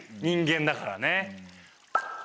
人間だからね。